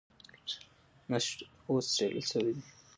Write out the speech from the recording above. نسج اوس څېړل شوی دی.